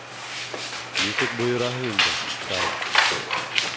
Нисек бойораһың инде, Кай.